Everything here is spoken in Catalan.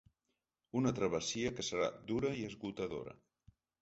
Una travessia que serà dura i esgotadora.